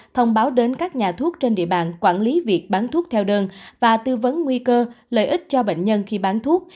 thông báo đến các nhà thuốc trên địa bàn quản lý việc bán thuốc theo đơn và tư vấn nguy cơ lợi ích cho bệnh nhân khi bán thuốc